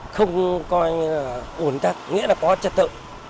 không coi như là ổn tắc nghĩa là có chất tự